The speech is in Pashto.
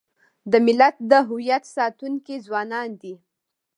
د ملت د هویت ساتونکي ځوانان دي.